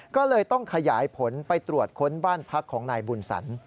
ก็เลยต้องขยายผลไปตรวจค้นบ้านพักของนายบุญสัน